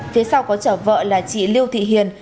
phía sau có chở vợ là chị lưu thị hiền